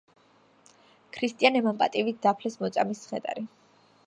ქრისტიანებმა პატივით დაფლეს მოწამის ცხედარი.